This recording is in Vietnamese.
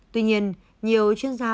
tuy nhiên nhiều chuyên gia